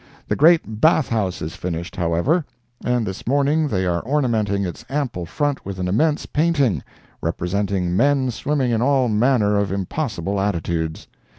The great bath house is finished, however, and this morning they are ornamenting its ample front with an immense painting, representing men swimming in all manner of impossible attitudes.